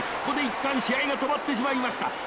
ここで一旦試合が止まってしまいました。